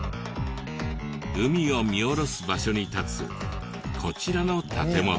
海を見下ろす場所に立つこちらの建物。